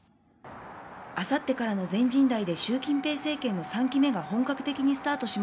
あさってからの全人代で習近平政権の３期目が本格的にスタートし